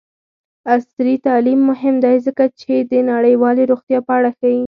عصري تعلیم مهم دی ځکه چې د نړیوالې روغتیا په اړه ښيي.